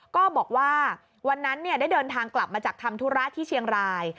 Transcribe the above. ก็บอกว่าวันนั้นได้เดินทางกลับมาจากทำธุระที่เชียงราย